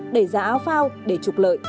đẩy giá áo phao để trục lợi